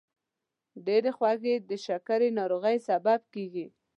ډېرې خوږې د شکرې ناروغۍ سبب ګرځي.